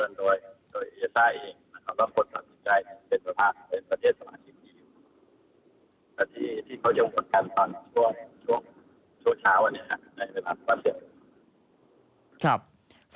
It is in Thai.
ในช่วงชวันนี้ครับในการประเทศ